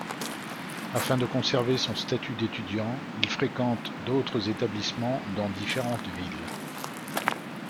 Afin de conserver son statut d'étudiant, il fréquente d'autres établissements, dans différentes villes.